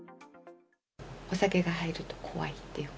お酒が入ると怖いっていうか。